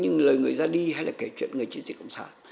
những lời người ra đi hay là kể chuyện người chiến sĩ cộng sản